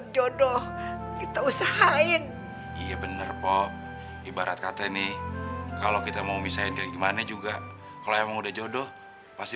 jodoh ibarat katanya kalau kita mau misahin kayak gimana juga kalau emang udah jodoh pasti